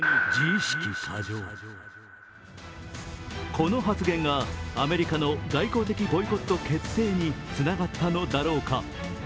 この発言がアメリカの外交的ボイコット決定につながったのだろうか。